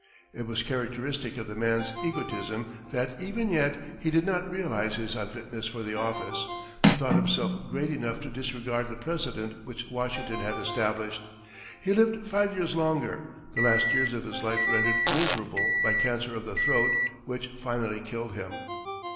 It was characteristic of the man's egotism that, even yet, he did not realize his unfitness for the office, but thought himself great enough to disregard the precedent which Washington had established. He lived five years longer, the last years of his life rendered miserable by cancer of the throat, which finally killed him.